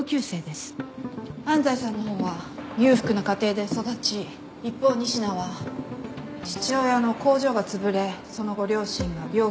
安斎さんの方は裕福な家庭で育ち一方仁科は父親の工場がつぶれその後両親が病気で他界。